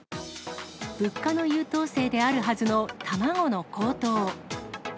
物価の優等生であるはずの卵の高騰。